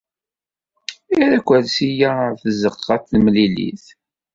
Err akersi-a ɣer tzeɣɣa n temlilit.